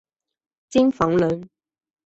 京房人。